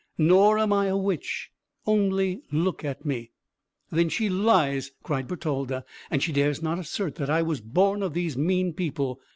"Nor am I a witch only look at me!" "Then she lies," cried Bertalda, "and she dares not assert that I was born of these mean people.